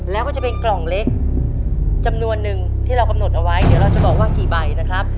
แล้วก็จะเป็นกล่องเล็กจำนวนนึงที่เรากำหนดเอาไว้เดี๋ยวเราจะบอกว่ากี่ใบนะครับ